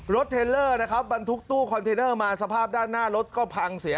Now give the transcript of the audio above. เทลเลอร์นะครับบรรทุกตู้คอนเทนเนอร์มาสภาพด้านหน้ารถก็พังเสีย